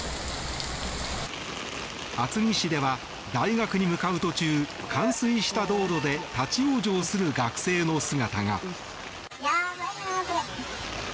厚木市では大学に向かう途中冠水した道路で立ち往生する学生の姿が。